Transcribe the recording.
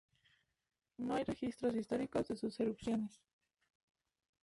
No hay registros históricos de sus erupciones.